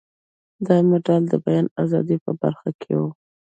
دا مډال د بیان ازادۍ په برخه کې و.